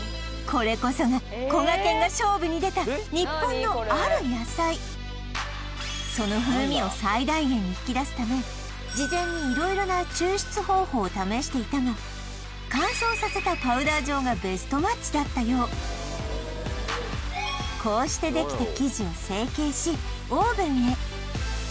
これこそがこがけんが勝負に出たその風味を最大限に引き出すため事前に色々な抽出方法を試していたが乾燥させたパウダー状がベストマッチだったようこうしてできた